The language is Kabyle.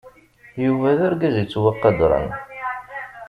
Yuba d argaz yettwaqadren.